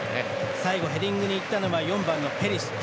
最後ヘディングにいったのは４番のペリシッチ。